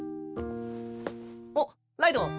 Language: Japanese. おっライドウ。